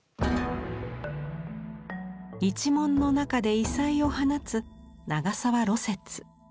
一門の中で異彩を放つ長沢芦雪。